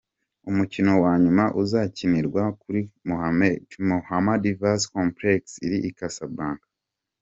Umukino wa nyuma uzakinirwa kuri Mohamed V Complex iri i Casablanca.